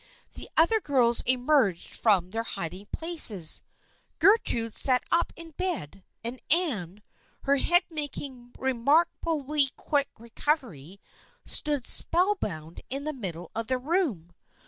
The other girls emerged from their hiding places, Gertrude sat up in bed, and Anne, her head making remark ably quick recovery, stood spellbound in the middle of the room.